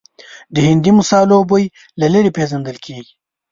د هندي مسالو بوی له لرې پېژندل کېږي.